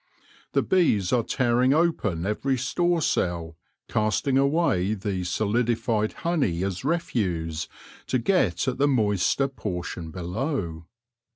The bees are tearing open every store cell, casting away the solidified honey as refuse, to get at the moister portion below.